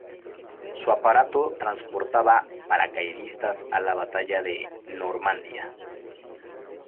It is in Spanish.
Su aparato transportaba paracaidistas a la Batalla de Normandía.